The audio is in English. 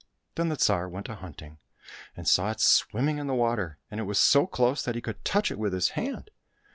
Then the Tsar went a hunting, and saw it swimming in the water, and it was so close that he could touch it with his hand.